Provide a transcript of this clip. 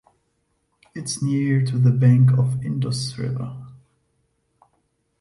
It is near to the bank of Indus River.